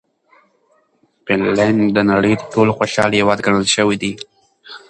فنلنډ د نړۍ تر ټولو خوشحاله هېواد ګڼل شوی دی.